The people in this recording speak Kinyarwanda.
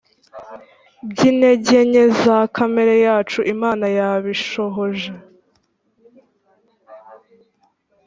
bw intege nke za kamere yacu Imana yabishohoje